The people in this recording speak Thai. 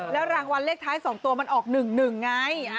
แล้วรางวัลเลขท้าย๒ตัวมันออก๑๑ไง